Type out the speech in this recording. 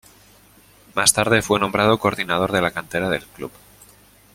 Más tarde, fue nombrado coordinador de la cantera del club.